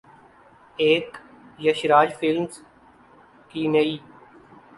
ایک ’یش راج فلمز‘ کی نئی